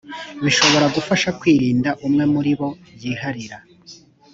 bishobora gufasha kwirinda umwe muri bo yiharira